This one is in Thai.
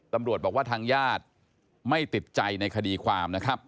ตำรวจบอกว่าทางญาติไม่ติดใจในคดีความนะครับ